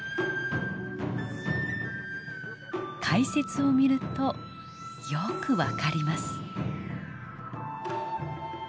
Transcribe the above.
解説を見るとよく分かります。